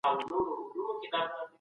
ماشومان باید له درنو کارونو وساتل سي.